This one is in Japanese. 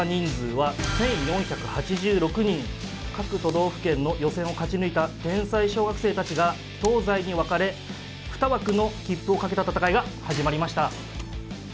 今年の各都道府県の予選を勝ち抜いた天才小学生たちが東西に分かれ２枠の切符をかけた戦いが始まりました。